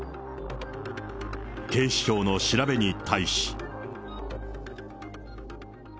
警視庁の調べに対し。